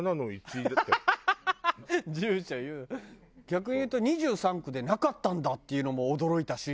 逆にいうと２３区でなかったんだっていうのも驚いたし。